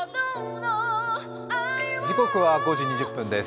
時刻は５時２０分です。